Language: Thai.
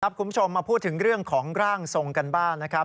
คุณผู้ชมมาพูดถึงเรื่องของร่างทรงกันบ้างนะครับ